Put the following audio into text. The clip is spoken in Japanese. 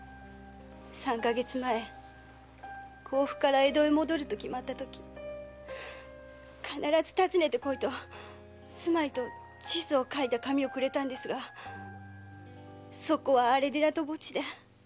三か月前甲府から江戸へ戻ると決まったとき「必ず訪ねてこい」と住まいと地図を書いてくれたのですがそこは荒れ寺と墓地で。